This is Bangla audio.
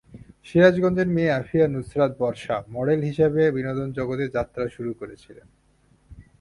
সিরাজগঞ্জের মেয়ে আফিয়া নুসরাত বর্ষা মডেল হিসেবে বিনোদন জগতে যাত্রা শুরু করেছিলেন।